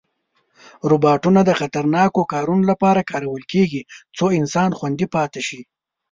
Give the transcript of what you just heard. روباټونه د خطرناکو کارونو لپاره کارول کېږي، څو انسان خوندي پاتې شي.